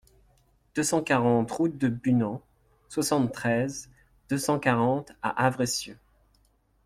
deux cent quarante route de Bunand, soixante-treize, deux cent quarante à Avressieux